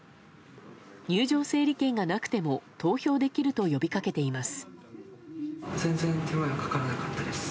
入場整理券がなくても投票できると呼びかけています。